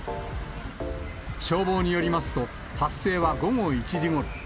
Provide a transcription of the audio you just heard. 消防によりますと、発生は午後１時ごろ。